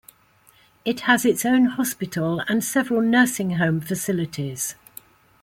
It has its own hospital and several nursing home facilities.